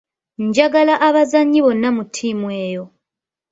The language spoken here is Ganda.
Njagala abazannyi bonna mu ttiimu eyo.